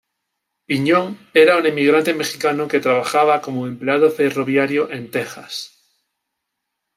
Piñón era un emigrante mexicano que trabajaba como empleado ferroviario en Texas.